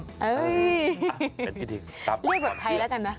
เรียกแบบไทยแล้วกันนะ